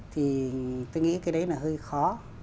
thì tôi nghĩ cái đấy là hơi khó